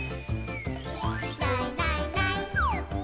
「いないいないいない」